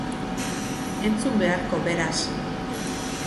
Entzun beharko, beraz.